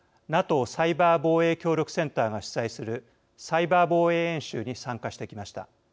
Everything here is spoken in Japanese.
サイバー防衛協力センターが主催するサイバー防衛演習に参加してきました。